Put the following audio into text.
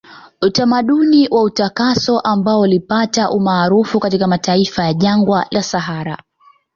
Utamaduni wa utakaso ambao ulipata umaarufu katika mataifa ya jangwa la sahara